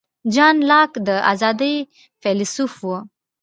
جان لاک د آزادۍ فیلیسوف و.